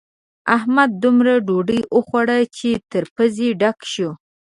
احمد دومره ډوډۍ وخوړه چې تر پزې ډک شو.